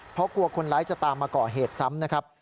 เพราะกลัวคนร้ายจะตามมาก่อเหตุซ้ำนะครับ